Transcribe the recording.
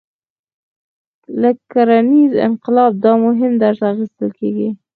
له کرنیز انقلاب دا مهم درس اخیستل کېږي.